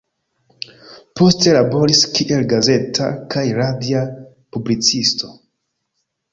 Poste laboris kiel gazeta kaj radia publicisto.